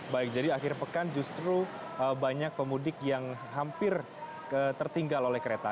baik jadi akhir pekan justru banyak pemudik yang hampir tertinggal oleh kereta